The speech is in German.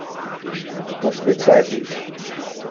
Das bezweifle ich.